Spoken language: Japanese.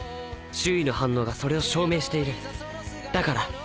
周囲の反応がそれを証明しているだから。